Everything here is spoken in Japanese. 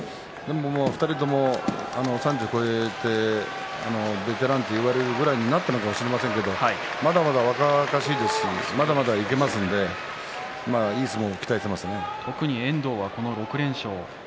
２人とも３０を超えてベテランと言われるぐらいとなっているかもしれませんがまだ若々しいですしまだまだいけますので遠藤は６連勝。